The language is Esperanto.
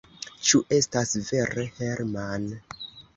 Ĉu estas vere, Herman?